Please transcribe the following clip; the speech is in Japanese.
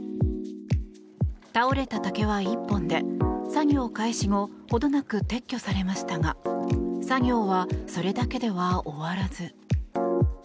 倒れた竹は１本で作業開始後程なく撤去されましたが作業はそれだけでは終わらず。